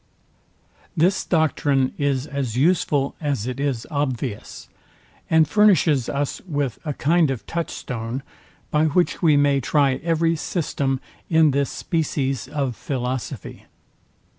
This doctrine is as useful as it is obvious, and furnishes us with a kind of touchstone, by which we may try every system in this species of philosophy.